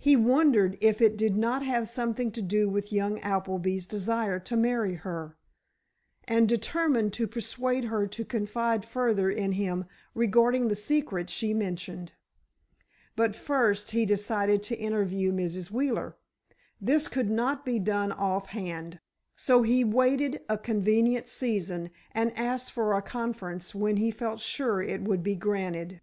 He wondered if it did not have something to do with young Appleby's desire to marry her, and determined to persuade her to confide further in him regarding the secret she mentioned. But first, he decided to interview Mrs. Wheeler. This could not be done offhand, so he waited a convenient season, and asked for a conference when he felt sure it would be granted.